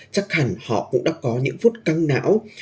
chắc hẳn họ cũng đã có những phút căng não